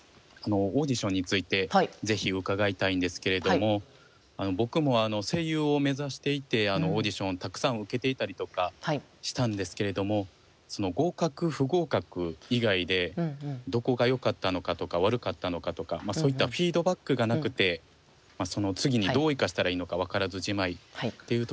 オーディションについてぜひ伺いたいんですけれども僕も声優を目指していてオーディションをたくさん受けていたりとかしたんですけれども合格不合格以外でどこがよかったのかとか悪かったのかとかそういったフィードバックがなくてその次にどう生かしたらいいのか分からずじまいっていうところがちょっと悩みで。